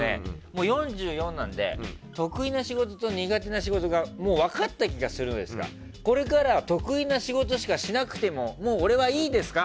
もう４４なんで得意な仕事と苦手な仕事が分かった気がするんですがこれからは得意な仕事しかしなくてもいいですか？